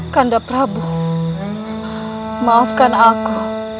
kanda prabu maafkan aku